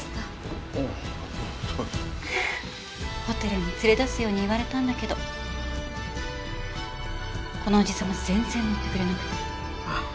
ホテルに連れ出すように言われたんだけどこのおじ様全然乗ってくれなくて。